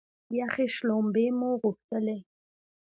یخې شلومبې مو غوښتلې.